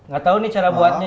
gak tau nih cara buatnya